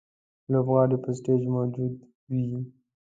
لوبغاړی پر سټېج موجود وي.